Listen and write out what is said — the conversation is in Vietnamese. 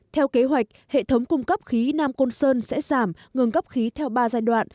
theo kế hoạch hệ thống cung cấp khí nam côn sơn sẽ giảm ngừng gấp khí theo ba giai đoạn